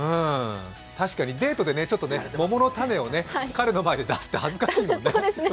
確かにデートで桃の種を彼の前で出すって恥ずかしいもんね。